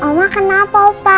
mama kenapa opa